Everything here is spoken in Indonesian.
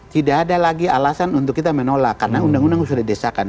tidak ada lagi alasan untuk kita menolak karena undang undang sudah didesakan